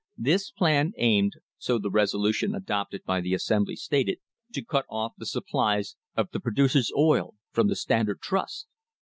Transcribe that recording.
This plan aimed, so the resolution adopted by the Assembly stated, to cut off the supplies of the producers' oil from the Standard Trust!